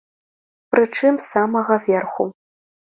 Прычым з самага верху.